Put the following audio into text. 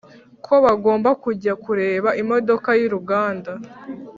ko bagomba kujya kureba imodoka yuruganda